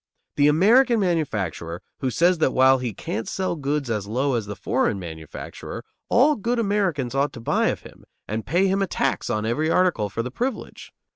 The American manufacturer, who says that while he can't sell goods as low as the foreign manufacturer, all good Americans ought to buy of him and pay him a tax on every article for the privilege.